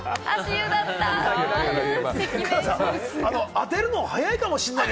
当てるの早いかもしれません。